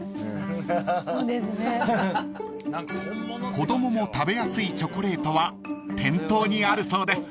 ［子供も食べやすいチョコレートは店頭にあるそうです］